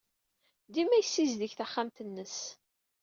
Dima yessizdig taxxamt-nnes.